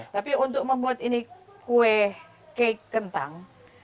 tapi untuk membuat ini kue kek kentang